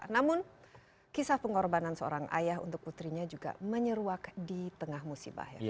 namun kisah pengorbanan seorang ayah untuk putrinya juga menyeruak di tengah musibah